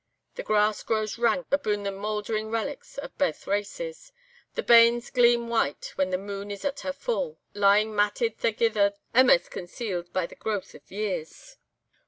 The grass grows rank abune the mouldering relics o' baith races. The banes gleam white when the moon is at her full, lying matted thegither amaist concealed by the growth of years.